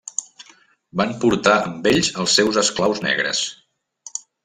Van portar amb ells els seus esclaus negres.